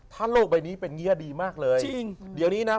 ถ้าโลกใบนี้เป็นเงี้ยดีมากเลย